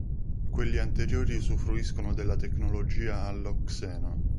Quelli anteriori usufruiscono della tecnologia allo xeno.